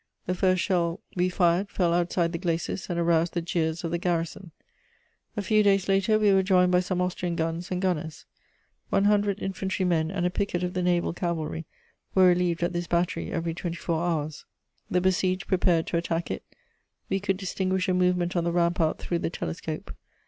The first shell we fired fell outside the glacis and aroused the jeers of the garrison. A few days later, we were joined by some Austrian guns and gunners. One hundred infantry men and a picket of the naval cavalry were relieved at this battery every twenty four hours. The besieged prepared to attack it; we could distinguish a movement on the rampart through the telescope.